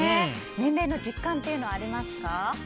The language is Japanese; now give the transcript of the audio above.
年齢の実感というのはありますか？